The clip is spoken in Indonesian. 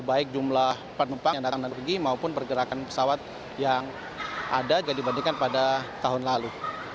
baik jumlah penumpang yang datang dari pergi maupun pergerakan pesawat yang ada dibandingkan pada tahun lalu